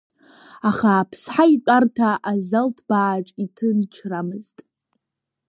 Аха Аԥсҳа итәарҭа азал ҭбааҿ иҭынчрамызт.